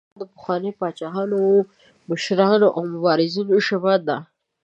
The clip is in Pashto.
پښتو د افغانستان د پخوانیو پاچاهانو، مشرانو او مبارزینو ژبه ده.